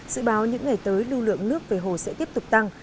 sự báo những ngày tới lưu lượng nước về hồ sẽ tiếp tục tăng